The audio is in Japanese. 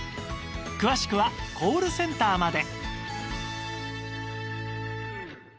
詳しくはコールセンターまで